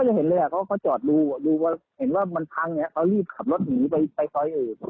แล้วก็จอดรู้ว่ามันพังเขาก็รีบขับรถหนีไปซ้อย